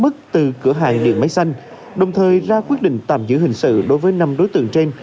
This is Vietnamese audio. mức từ cửa hàng điện máy xanh đồng thời ra quyết định tạm giữ hình sự đối với năm đối tượng trên